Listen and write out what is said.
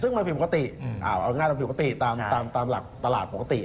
ซึ่งมันผิดปกติเอาง่ายตามปกติตามหลักตลาดปกติ